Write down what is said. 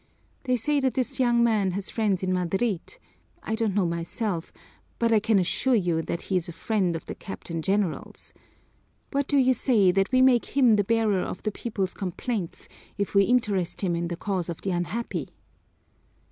They say that this young man has friends in Madrid I don't know myself but I can assure you that he is a friend of the Captain General's. What do you say that we make him the bearer of the people's complaints, if we interest him in the cause of the unhappy?"